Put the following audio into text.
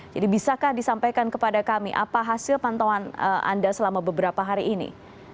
jadi bisakah disampaikan kepada kami apa hasil pantauan anda selama beberapa hari ini